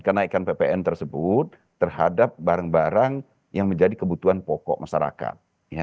kenaikan ppn tersebut terhadap barang barang yang menjadi kebutuhan pokok masyarakat